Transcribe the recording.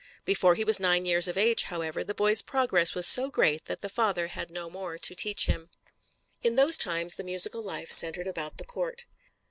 Before he was nine years of age, however, the boy's progress was so great that the father had no more to teach him. In those times the musical life centered about the Court.